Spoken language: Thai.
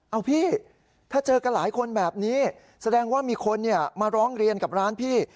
เอาพี่ถ้าเจอกันหลายคนแบบนี้แสดงว่ามีคนมาร้องเรียนกับร้านพี่